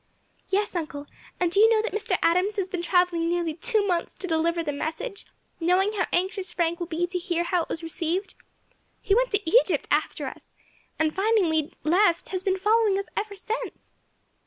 "Yes, uncle, and do you know that Mr. Adams has been travelling nearly two months to deliver the message, knowing how anxious Frank will be to hear how it was received. He went to Egypt after us, and finding we had left has been following us ever since."